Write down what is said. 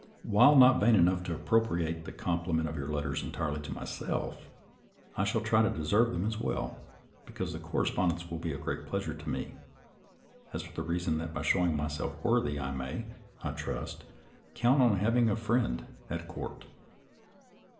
While not vain enough to appropriate the compliment of your letters entirely to myself, I shall try to deserve them as well, because the correspondence will be a great pleasure to me, as for the reason that by showing myself worthy I may, I trust, count on having a friend "at court."